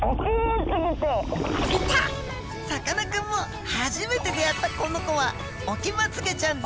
さかなクンも初めて出会ったこの子はオキマツゲちゃん。